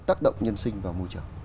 tác động nhân sinh vào môi trường